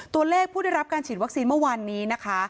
ตัวเลขผู้ได้รับการฉีดวัคซีนเมื่อวานนี้นะคะ